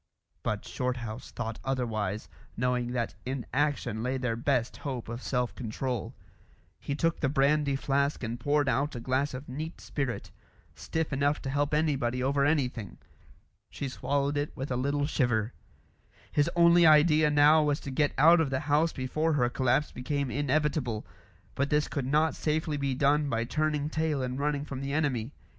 But Shorthouse thought otherwise, knowing that in action lay their best hope of self control. He took the brandy flask and poured out a glass of neat spirit, stiff enough to help anybody over anything. She swallowed it with a little shiver. His only idea now was to get out of the house before her collapse became inevitable; but this could not safely be done by turning tail and running from the enemy.